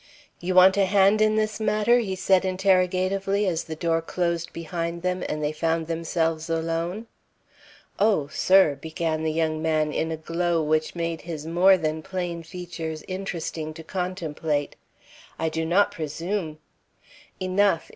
"You want a hand in this matter?" he said interrogatively, as the door closed behind them and they found themselves alone. "Oh, sir " began the young man in a glow which made his more than plain features interesting to contemplate, "I do not presume " "Enough!"